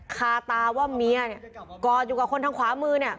คาตาว่าเมียกลออยู่กับคนทั้งความมือเนี่ย